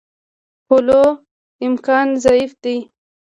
کولو امکان ضعیف دی.